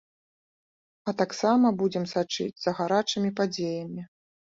А таксама будзем сачыць за гарачымі падзеямі.